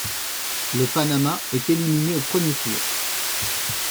Le Panama est éliminé au premier tour.